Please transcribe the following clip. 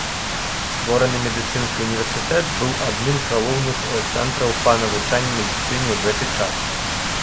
Створаны медыцынскі ўніверсітэт быў адным з галоўных цэнтраў па навучанні медыцыне ў гэты час.